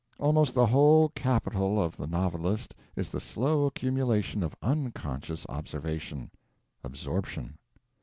Almost the whole capital of the novelist is the slow accumulation of unconscious observation absorption.